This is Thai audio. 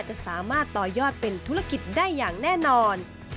จะสามารถต่อยอดเป็นธุรกิจได้อย่างแน่นอน